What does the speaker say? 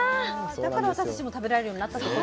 だから私たちも食べられるようになったという。